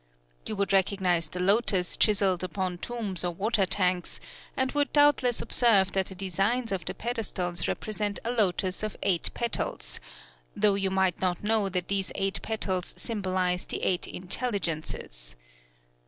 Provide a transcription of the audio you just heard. You would recognize the lotos chiselled upon tombs or water tanks, and would doubtless observe that the designs of the pedestals represent a lotos of eight petals, though you might not know that these eight petals symbolize the Eight Intelligences.